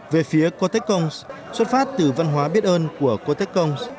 về phía qua tết công xuất phát từ văn hóa biết ơn của qua tết công